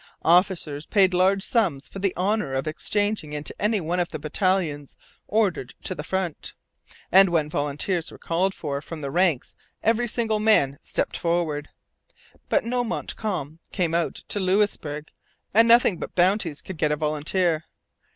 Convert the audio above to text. Officers paid large sums for the honour of exchanging into any one of the battalions ordered to the front; and when volunteers were called for from the ranks every single man stepped forward. But no Montcalm came out to Louisbourg, and nothing but bounties could get a volunteer.